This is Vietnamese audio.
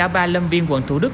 và ba lâm viên quận thủ đức